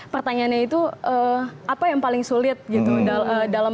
pertanyaannya itu apa yang paling sulit gitu dalam